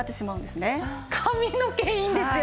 髪の毛いいんですよ！